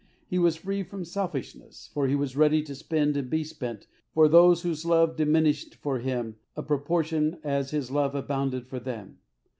He was free from selfishness, for he was ready to spend and be spent for those whose love diminished for him in proportion as his love abounded for them.